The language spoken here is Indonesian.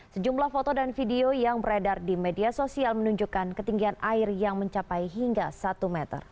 sejumlah foto dan video yang beredar di media sosial menunjukkan ketinggian air yang mencapai hingga satu meter